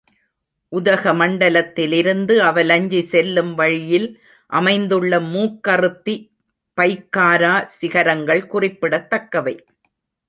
உதகமண்டலத்திலிருந்து அவலஞ்சி செல்லும் வழியில் அமைந்துள்ள மூக்கறுத்தி, பைக்காரா சிகரங்கள் குறிப்பிடத்தக்கவை.